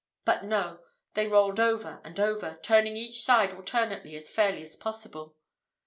But no! they rolled over and over, turning each side alternately as fairly as possible.